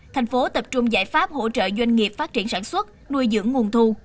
thành phố tập trung giải pháp hỗ trợ doanh nghiệp phát triển sản xuất nuôi dưỡng nguồn thu